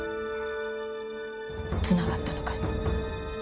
つながったのかい？